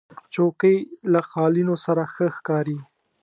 چوکۍ له قالینو سره ښه ښکاري.